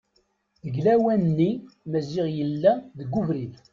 Deg lawan-nni Maziɣ yella deg ubrid.